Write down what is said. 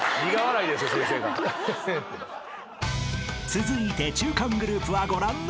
［続いて中間グループはご覧のとおり］